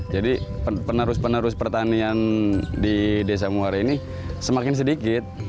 jadi penerus penerus pertanian di desa muara ini semakin sedikit